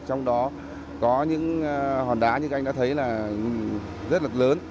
trong đó có những hòn đá như các anh đã thấy là rất là lớn